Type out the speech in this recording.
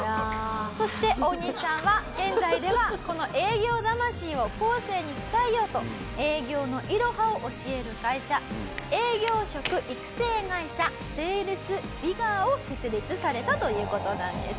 そしてオオニシさんは現在ではこの営業魂を後世に伝えようと営業のいろはを教える会社営業職育成会社セールスヴィガーを設立されたという事なんです。